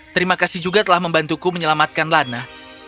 terima kasih juga telah membantuku menyelamatkan lana